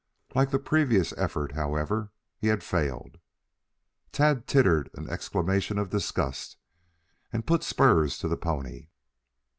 Like the previous effort, however, he had failed. Tad tittered an exclamation of disgust and put spurs to the pony.